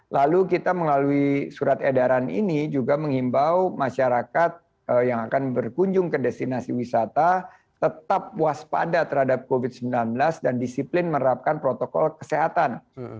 lalu kita melalui surat edaran ini juga mengimbau masyarakat yang akan berkunjung ke destinasi wisata tetap waspada terhadap covid sembilan belas dan disiplin menerapkan protokol kesehatan